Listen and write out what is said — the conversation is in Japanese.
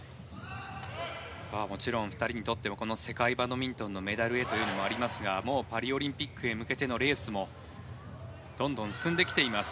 もちろん２人にとっても世界バドミントンのメダルへという思いもありますがもうパリオリンピックへ向けてのレースもどんどん進んできています。